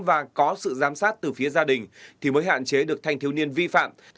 và có sự giám sát từ phía gia đình thì mới hạn chế được thanh thiếu niên vi phạm